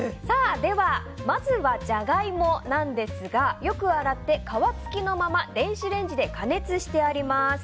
まずはジャガイモなんですがよく洗って皮付きのまま電子レンジで加熱してあります。